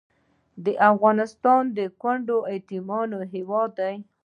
افغانستان د کونډو او یتیمانو هیواد دی